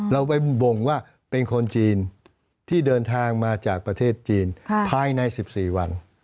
เราไปบ่งว่าเป็นคนจีนที่เดินทางมาจากประเทศจีนภายใน๑๔วัน